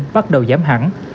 bắt đầu giảm hẳn